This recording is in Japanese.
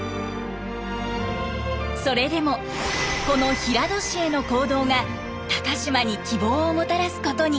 それでもこの平戸市への行動が高島に希望をもたらすことに。